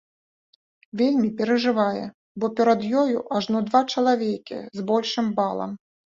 Вельмі перажывае, бо перад ёю ажно два чалавекі з большым балам!